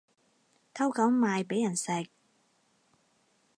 偷狗賣畀人食